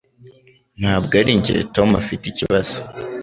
Ntabwo arinjye Tom afite ikibazo